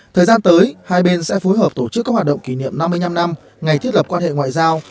thời gian tới hai bên sẽ phối hợp tổ chức các hoạt động kỷ niệm năm mươi năm năm ngày thiết lập quan hệ ngoại giao